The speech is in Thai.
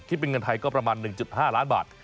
เป็นเงินไทยก็ประมาณ๑๕ล้านบาท